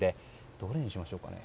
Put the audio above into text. どれにしましょうかね。